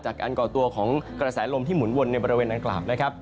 จากอันก่อตัวของกระแสลมที่หมุนวนในบริเวณอ่างกล่าว